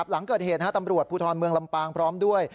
หลังเกิดเหตุตำรวจภูทรเมืองลำปางพร้อมด้วย